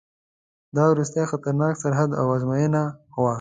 دا وروستی خطرناک سرحد او آزموینه وه.